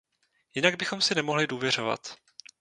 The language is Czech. Jinak bychom si nemohli důvěřovat.